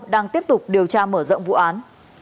đang tiếp tục điều tra mở rộng vụ án